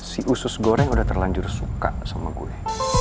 si usus goreng sudah terlanjur suka sama gue